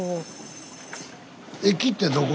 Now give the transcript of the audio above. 駅ってどこ？